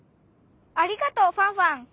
ありがとうファンファン。